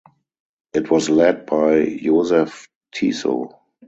It was led by Jozef Tiso.